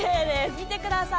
見てください。